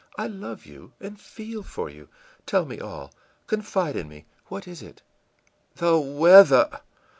I love you, and feel for you. Tell me all. Confide in me. What is it?î ìThe weather!